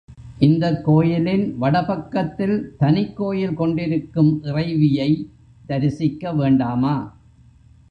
இந்தக் கோயிலின் வடபக்கத்தில் தனிக் கோயில் கொண்டிருக்கும் இறைவியைத் தரிசிக்க வேண்டாமா?